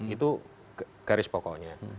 itu garis pokoknya